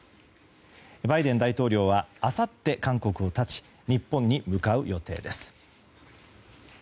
バイデン大統領はあさって韓国を発ち日本に向かう予定です。